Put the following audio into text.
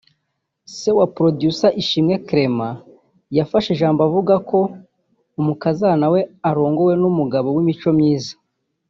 se wa Producer Ishimwe Clement yafashe ijambo avuga ko umukazana we arongowe n’umugabo w’imico myiza